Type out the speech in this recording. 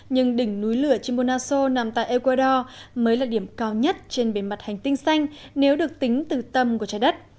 nhưng đỉnh núi lửa chimonaso nằm tại ecuador mới là điểm cao nhất trên bề mặt hành tinh xanh nếu được tính từ tâm của trái đất